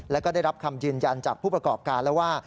แล้วก็ได้รับคำยืนยันจากผู้ประกอบการแล้วว่า